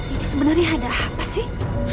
itu sebenarnya ada apa sih